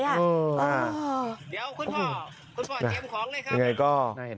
เดี๋ยวคุณพ่อคุณพ่อเตรียมของเลยครับ